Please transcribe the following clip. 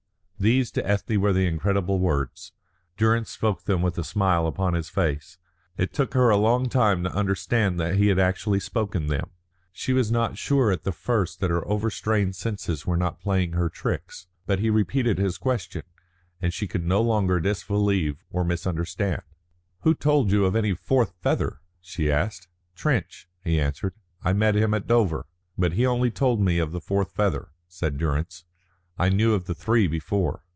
These to Ethne were the incredible words. Durrance spoke them with a smile upon his face. It took her a long time to understand that he had actually spoken them. She was not sure at the first that her overstrained senses were not playing her tricks; but he repeated his question, and she could no longer disbelieve or misunderstand. "Who told you of any fourth feather?" she asked. "Trench," he answered. "I met him at Dover. But he only told me of the fourth feather," said Durrance. "I knew of the three before.